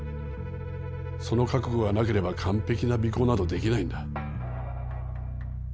その覚悟がなければ完璧な尾行などできないんだ。